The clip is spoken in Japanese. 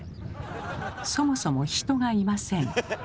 そもそも人がいません。